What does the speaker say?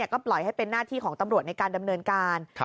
ก็ปล่อยให้เป็นหน้าที่ของตำรวจในการดำเนินการ